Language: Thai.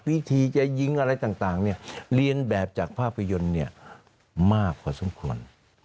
วิธีจะยิงอะไรต่างเรียนแบบจากภาพยนตร์มากพอสมควร